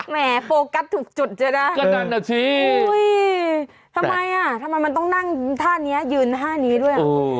แหมโฟกัสถูกจุดจะได้ก็นั่นน่ะสิทำไมอ่ะทำไมมันต้องนั่งท่านี้ยืนท่านี้ด้วยอ่ะ